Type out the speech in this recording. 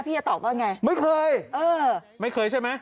พี่จะตอบอะไรไงไม่เคยไม่เคยใช่ปะ